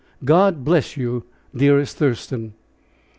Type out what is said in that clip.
God bless you, dearest Thurston."